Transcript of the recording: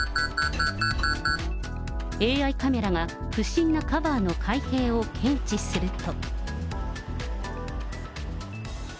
ＡＩカメラが、不審なカバーの開閉を検知すると。